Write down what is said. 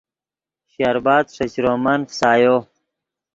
شربَت ݰے چرومن فسایو